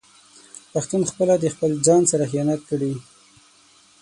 پښتون خپله د خپل ځان سره خيانت کړي